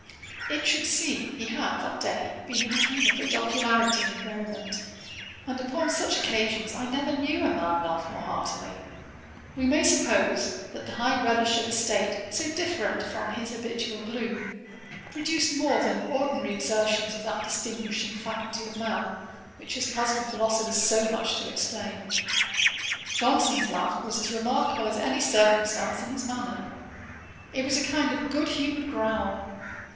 It should seem he had that day been in a humour for jocularity and merriment, and upon such occasions I never knew a man laugh more heartily. We may suppose, that the high relish of a state so different from his habitual gloom, produced more than ordinary exertions of that distinguishing faculty of man, which has puzzled philosophers so much to explain. Johnson's laugh was as remarkable as any circumstance in his manner. It was a kind of good humoured growl.